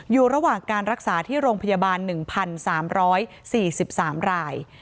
อยู่ระหว่างการรักษาที่โรงพยาบาล๑๓๔๓ราย